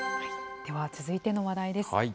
では、続いての話題です。